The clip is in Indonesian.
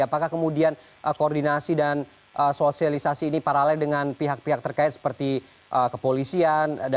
apakah kemudian koordinasi dan sosialisasi ini paralel dengan pihak pihak terkait seperti kepolisian